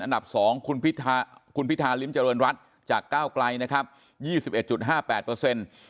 อันดับสองคุณพิธาริมเจริญรัฐจากก้าวกลายนะครับ๒๑๕๘เปอร์เซ็นต์